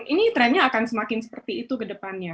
ini trendnya akan semakin seperti itu kedepannya